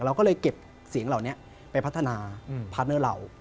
เราก็เลยเก็บเสียงเหล่านี้ไปพัฒนาพาร์ทเนอร์เรา